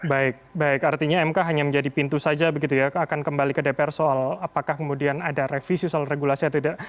baik baik artinya mk hanya menjadi pintu saja begitu ya akan kembali ke dpr soal apakah kemudian ada revisi soal regulasi atau tidak